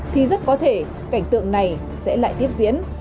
thì rất có thể cảnh tượng này sẽ lại tiếp diễn